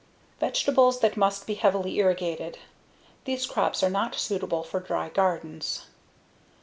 Vegetables that must be heavily irrigated (These crops are not suitable for dry gardens.)